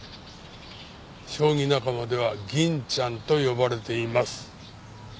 将棋仲間には銀ちゃんと呼ばれています。